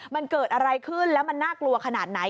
มันเกิดอะไรขึ้นแล้วมันน่ากลัวขนาดไหน